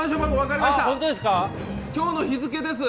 今日の日付です。